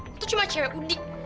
lu tuh cuma cewek udik